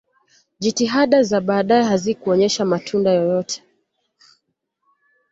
jitihada za baadaye hazikuonyesha matunda yoyote